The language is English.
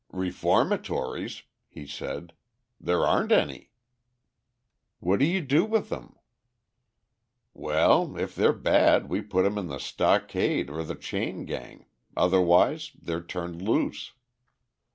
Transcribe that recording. "Reformatories!" he said, "there aren't any." "What do you do with them?" "Well, if they're bad we put 'em in the stockade or the chain gang, otherwise they're turned loose."